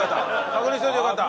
確認しておいてよかった。